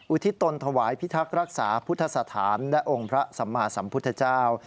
อุทิศตนถวายพิทักษ์รักษาพุทธสถานและองค์พระสัมมาสัมพุทธเจ้า